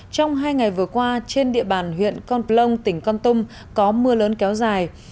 trong hai ngày vừa qua trên địa bàn huyện con plông tỉnh con tum có mưa lớn kéo dài